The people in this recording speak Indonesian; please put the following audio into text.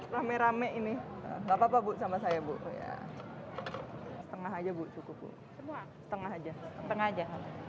rame rame ini enggak papa bu sama saya bu ya hai tengah aja bu cukup bu tengah aja tengah aja